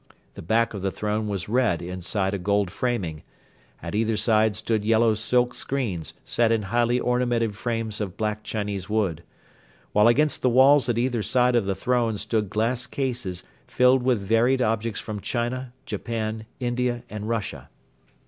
The back of the throne was red inside a gold framing; at either side stood yellow silk screens set in highly ornamented frames of black Chinese wood; while against the walls at either side of the throne stood glass cases filled with varied objects from China, Japan, India and Russia.